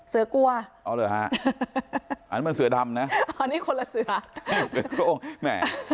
เสือกลัวอ๋อเหรอฮะอันนั้นมันเสือดำนะอ๋อนี่คนละเสือเสือโครงแหม